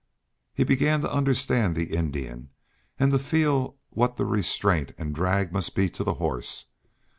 He began to understand the Indian, and to feel what the restraint and drag must be to the horse.